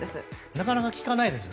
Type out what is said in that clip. なかなか聞かないですよ